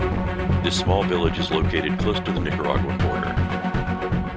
This small village is located close to the Nicaraguan border.